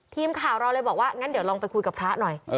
ทีมข่าวเราเลยบอกว่างั้นเดี๋ยวลองไปคุยกับพระหน่อย